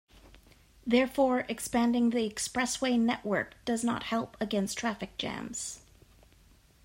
Therefore, expanding the expressway network does not help against traffic jams.